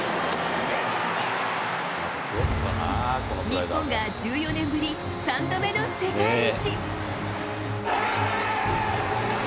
日本が１４年ぶり３度目の世界一。